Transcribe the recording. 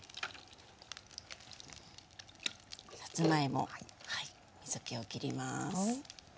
さつまいも水けをきります。